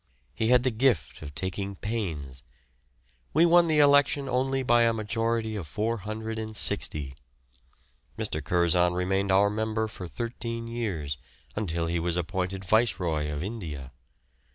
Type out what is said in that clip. He had the gift of taking pains. We won the election only by a majority of 460. Mr. Curzon remained our member for thirteen years, until he was appointed Viceroy of India.